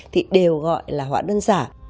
thì đều gọi là hóa đơn giả